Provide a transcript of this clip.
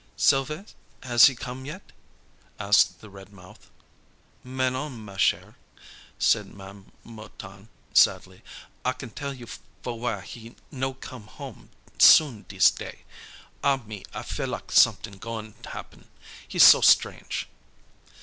"Sylves', has he come yet?" asked the red mouth. "Mais non, ma chere," said Ma'am Mouton, sadly, "I can' tell fo' w'y he no come home soon dese day. Ah me, I feel lak' somet'ing goin' happen. He so strange."